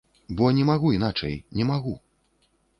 Бо не магу іначай, не магу.